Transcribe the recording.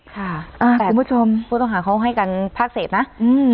ค่ะอ้าวคุณผู้ชมพวกต้องหาเค้าให้กันพักเสพน่ะอืม